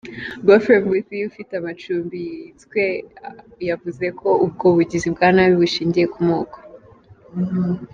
Goffrey Mbuthi ufite amacumbi yatwitswe yavuze ko ubwo bugizi bwa nabi bushingiye ku moko.